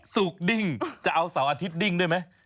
สุกดิ้งจะเอาเสาร์อาทิตย์ดิ้งด้วยไหม